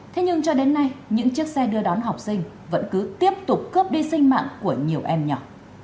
thế nhưng cho đến nay những chiếc xe đưa đón học sinh vẫn cứ tiếp tục cướp đi sinh mạng của nhiều em nhỏ